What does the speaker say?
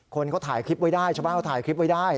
คนเขาถ่ายคลิปไว้ได้ชาวบ้านเขาถ่ายคลิปไว้ได้